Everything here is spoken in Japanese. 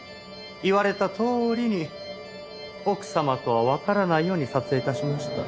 言われたとおりに奥様とはわからないように撮影致しました。